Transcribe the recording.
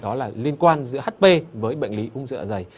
đó là liên quan giữa hp với bệnh lý viêm luet dạ dày